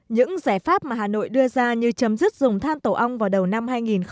những giải pháp mà hà nội đưa ra như chấm dứt dùng than tổ ong vào đầu năm hai nghìn hai mươi